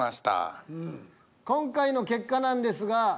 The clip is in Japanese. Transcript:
今回の結果なんですが。